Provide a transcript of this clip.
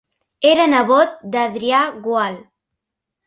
Era nebot d'Adrià Gual.